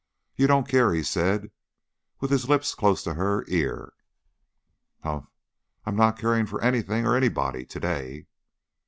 "You don't care?" he said, with his lips close to her ear. "Humph! I'm not caring for anything or anybody to day."